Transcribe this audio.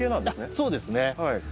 そうですね。